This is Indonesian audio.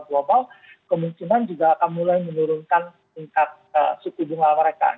global kemungkinan juga akan mulai menurunkan tingkat suku bunga mereka